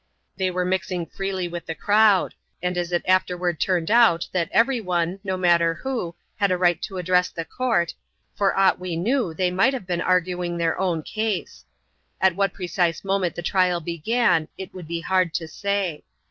They were mixing freely with the crowd ; and as it afterward turned out that every one, no matter who, had a right to address the court, for aught we knew they might have been arguing their own case. At what precise moment the trial began, it would be hard to say.